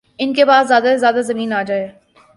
ان کے پاس زیادہ سے زیادہ زمین آجائے